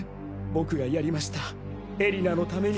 僕がやりました絵里菜のために。